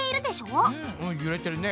うんゆれてるね。